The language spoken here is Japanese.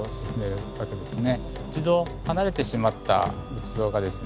一度離れてしまった仏像がですね